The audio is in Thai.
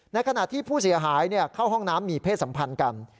ในขณะที่ผู้เสียหายเข้าห้องน้ำมีเพศสัมพันธ์กัน